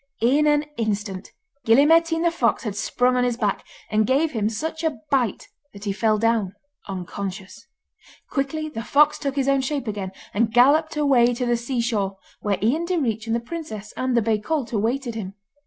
In an instant Gille Mairtean the fox had sprung on his back, and gave him such a bite that he fell down unconscious. Quickly the fox took his own shape again, and galloped away to the sea shore, where Ian Direach and the princess and the bay colt awaited him.